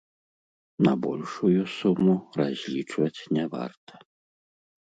На большую суму разлічваць не варта.